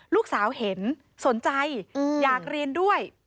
ลูกสาวเห็นสนใจอยากเรียนด้วย